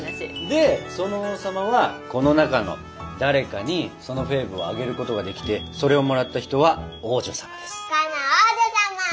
で王様はこの中の誰かにそのフェーブをあげることができてそれをもらった人は王女様です！カナ王女様！